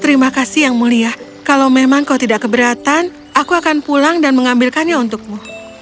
terima kasih yang mulia kalau memang kau tidak keberatan aku akan pulang dan mengambilkannya untukmu